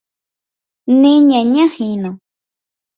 Neñañahína.